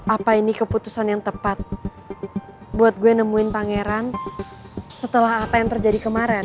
apa ini keputusan yang tepat buat gue nemuin pangeran setelah apa yang terjadi kemarin